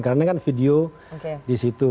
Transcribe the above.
karena kan video di situ